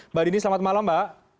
mbak dini selamat malam mbak